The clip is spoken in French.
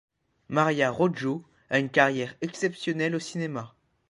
María Rojo a une carrière exceptionnelle au cinéma.